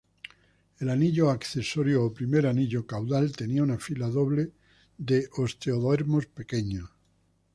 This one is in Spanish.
El anillo accesorio, o primer anillo caudal tenía una fila doble de osteodermos pequeños.